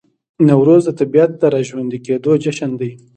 نوروز د طبیعت د راژوندي کیدو جشن دی.